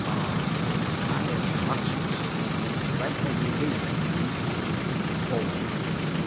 R. Caius Gracchus. Right of revision. Dufond. Four.